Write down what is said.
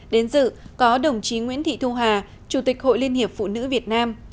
đến dự có đồng chí nguyễn thị thu hà chủ tịch hội liên hiệp phụ nữ việt nam